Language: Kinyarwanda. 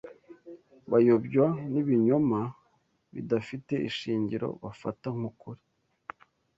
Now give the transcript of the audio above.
bayobywa n’ibinyoma bidafite ishingiro bafata nk’ukuri